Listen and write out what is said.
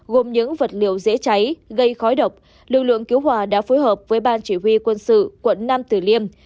gồm những vật liệu dễ cháy gây khói độc lực lượng cứu hỏa đã phối hợp với ban chỉ huy quân sự quận nam tử liêm